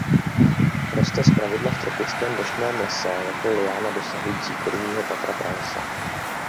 Roste zpravidla v tropickém deštném lese jako liána dosahující korunního patra pralesa.